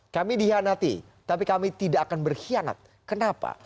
kami dihianati tapi kami tidak akan berkhianat kenapa